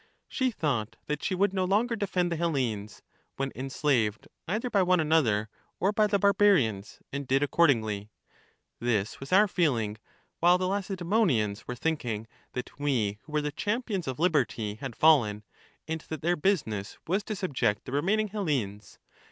She thought that she would no longer defend the Hellenes, when enslaved either by one another or by the barbarians, and did accordingly. This was our feeling, while the Lacedaemonians were thinking that we who were the champions of liberty had fallen, and that their business was to subject the remaining Hellenes.